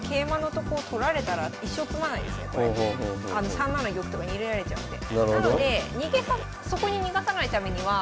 ３七玉とか逃げられちゃうんで。